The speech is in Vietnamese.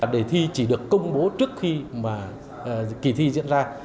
đề thi chỉ được công bố trước khi mà kỳ thi diễn ra